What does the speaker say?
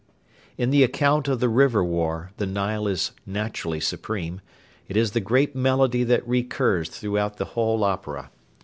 In the account of the River War the Nile is naturally supreme. It is the great melody that recurs throughout the whole opera.